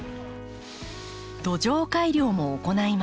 土壌改良も行います。